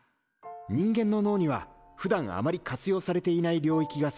人間の脳にはふだんあまり活用されていない領域が存在する。